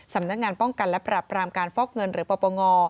สำนักงานป้องกันและปรับรามการฟอกเงินหรือปปง